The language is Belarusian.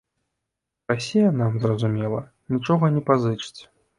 Расія нам, зразумела, нічога не пазычыць.